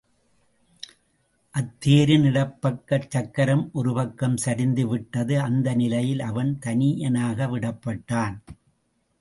அத்தேரின் இடப் பக்கச் சக்கரம் ஒரு பக்கம் சரிந்துவிட்டது அந்த நிலையில் அவன் தனியனாக விடப் பட்டான்.